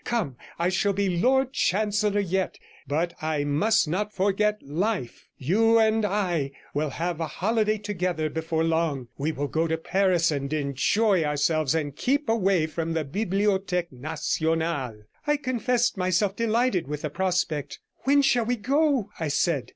Come, I shall be Lord Chancellor yet, but I must not forget life. You and I will have a holiday together before long; we will go to Paris and enjoy ourselves, and keep away from the Bibliotheque Nationale.' I confessed myself delighted with the prospect. 'When shall we go?' I said.